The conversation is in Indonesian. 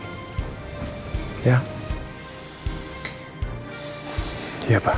assalamualaikum warahmatullahi wabarakatuh